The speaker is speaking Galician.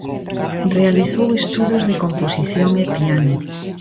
Realizou estudos de composición e piano.